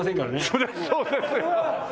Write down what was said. そりゃそうです！